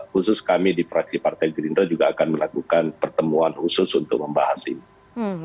khusus kami di fraksi partai gerindra juga akan melakukan pertemuan khusus untuk membahas ini